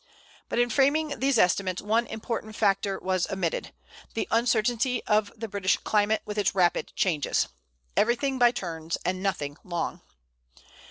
But in framing these estimates one important factor was omitted the uncertainty of the British climate, with its rapid changes, "everything by turns, and nothing long."